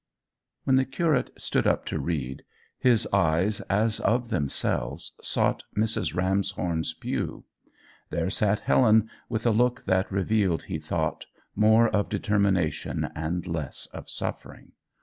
When the curate stood up to read, his eyes as of themselves sought Mrs. Ramshorn's pew. There sat Helen, with a look that revealed, he thought, more of determination and less of suffering.